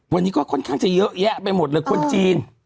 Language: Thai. วันนี้ก็ค่อนข้างจะเยอะแยะไปหมดเลยคนจีน